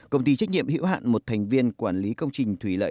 công ty trách nhiệm hữu hạn một thành viên quản lý công trình thủy lợi